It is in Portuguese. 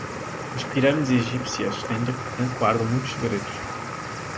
As pirâmides egípcias ainda guardam muitos segredos